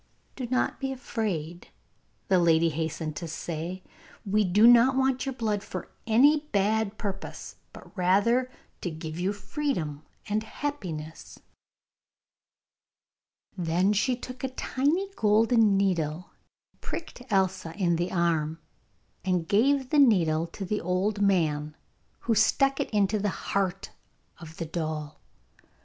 'Do not be afraid!' the lady hastened to say; 'we do not want your blood for any bad purpose, but rather to give you freedom and happiness.' Then she took a tiny golden needle, pricked Elsa in the arm, and gave the needle to the old man, who stuck it into the heart of the doll.